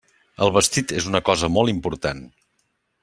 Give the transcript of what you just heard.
El vestit és una cosa molt important.